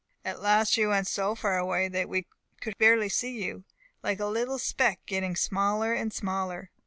At last you went so far away that we could barely see you, like a little speck, getting smaller and smaller.